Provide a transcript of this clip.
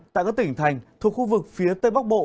tại các tỉnh thành thuộc khu vực phía tây bắc bộ